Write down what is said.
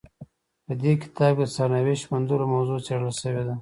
په دې کتاب کې د سرنوشت موندلو موضوع څیړل شوې ده.